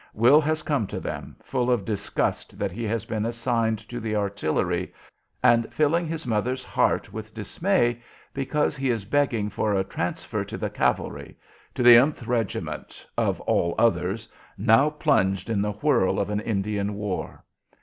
Will has come to them, full of disgust that he has been assigned to the artillery, and filling his mother's heart with dismay because he is begging for a transfer to the cavalry, to the th Regiment, of all others, now plunged in the whirl of an Indian war.